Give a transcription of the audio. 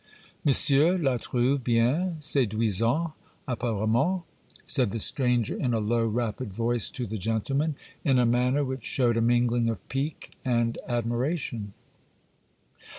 'Monsieur la trouve bien séduisante apparemment,' said the stranger in a low, rapid voice to the gentleman, in a manner which showed a mingling of pique and admiration.